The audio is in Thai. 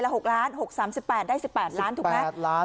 ๖ล้าน๖๓๘ได้๑๘ล้านถูกไหม๘ล้าน